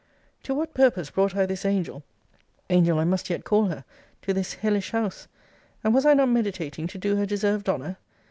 To what purpose brought I this angel (angel I must yet call her) to this hellish house? And was I not meditating to do her deserved honour?